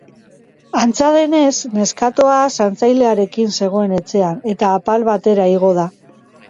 Antza denez, neskatoa zaintzailearekin zegoen etxean, eta apal batera igo da.